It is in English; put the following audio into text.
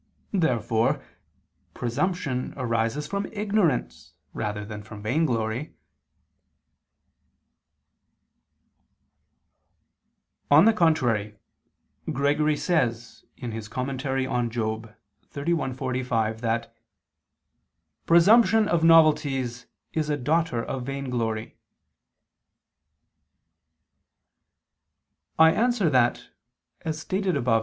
Therefore presumption arises from ignorance rather than from vainglory. On the contrary, Gregory says (Moral. xxxi, 45) that "presumption of novelties is a daughter of vainglory." I answer that, As stated above (A.